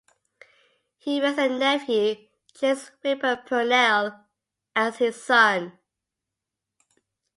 He raised a nephew, James Whipper Purnell, as his son.